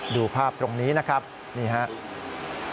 ดูภาพตรงนี้นะครับนี่ครับ